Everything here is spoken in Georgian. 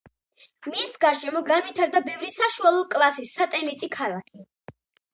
მის გარშემო განვითარდა ბევრი საშუალო კლასის სატელიტი ქალაქი.